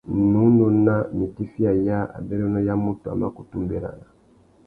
Nnú nôna nà itifiya yâā abérénô ya mutu a mà kutu mʼbérana.